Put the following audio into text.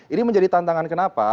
ini menjadi tantangan kenapa